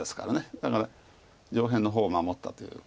だから上辺の方を守ったというか。